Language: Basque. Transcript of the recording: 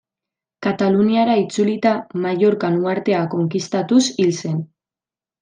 Kataluniara itzulita, Mallorcan uhartea konkistatuz hil zen.